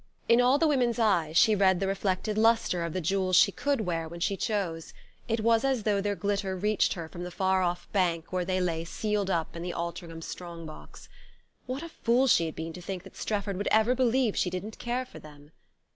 In all the women's eyes she read the reflected lustre of the jewels she could wear when she chose: it was as though their glitter reached her from the far off bank where they lay sealed up in the Altringham strong box. What a fool she had been to think that Strefford would ever believe she didn't care for them!